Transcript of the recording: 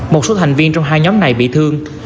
một số thành viên trong hai nhóm này bị thương